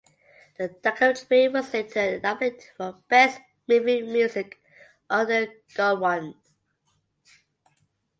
The documentary was later nominated for "Best Movie Music" under Gullruten.